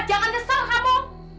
jangan nyesel kamu